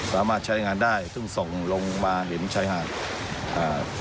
สามารถใช้งานได้ซึ่งส่งลงมาริมชายหาดอ่า